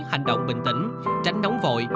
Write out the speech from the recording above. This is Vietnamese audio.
hành động bình tĩnh tránh đóng vội